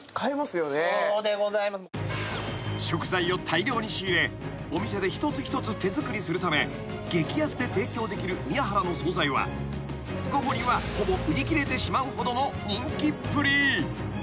［食材を大量に仕入れお店で一つ一つ手作りするため激安で提供できるみやはらの総菜は午後にはほぼ売り切れてしまうほどの人気っぷり］